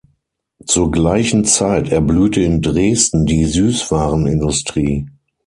Zur gleichen Zeit erblühte in Dresden die Süßwarenindustrie.